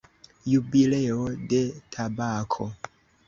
Jubileo de tabako.